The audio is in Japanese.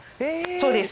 そうです。